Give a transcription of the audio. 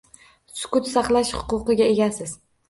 «Sukut saqlash huquqiga egasiz»